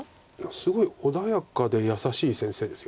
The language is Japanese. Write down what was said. すごい穏やかで優しい先生です。